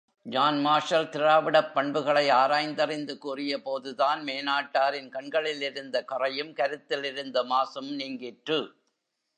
John Marshall திராவிடப் பண்புகளை ஆராய்ந்தறிந்து கூறியபோது தான், மேனாட்டாரின் கண்களிலிருந்த கறையும், கருத்திலிருந்த மாசும் நீங்கிற்று.